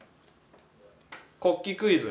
国旗クイズ。